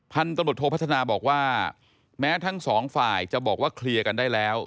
พันธุ์ตำรวจโทพัฒนาบอกว่าแม้ทั้งสองฝ่ายจะบอกว่าเคลียร์กันได้แล้ว